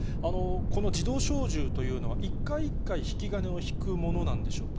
この自動小銃というのは、一回、一回引き金を引くものなんでしょうか。